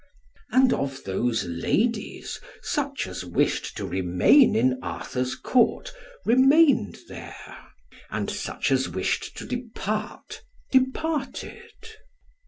And of those ladies, such as wished to remain in Arthur's Court, remained there; and such as wished to depart, departed.